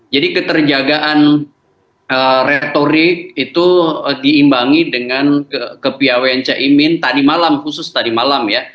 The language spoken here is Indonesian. jadi keterjagaan retorik itu diimbangi dengan kepiawaan caimin tadi malam khusus tadi malam ya